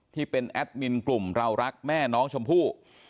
ที่เป็นแอดมินกลุ่มเรารักแม่น้องชมพู่